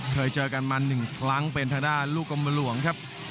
เคยเจอกันมา๑ครั้งเป็นทางด้านลูกกรมหลวงครับ